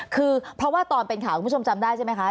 คือเพราะว่าตอนเป็นข่าวคุณผู้ชมจำได้ใช่ไหมคะ